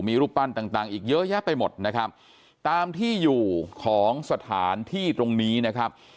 มีรูปปั้นต่างต่างอีกเยอะแยะไปหมดนะครับตามที่อยู่ของสถานที่ตรงนี้นะครับ